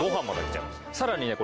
さらにね